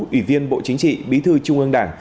ủy viên bộ chính trị bí thư trung ương đảng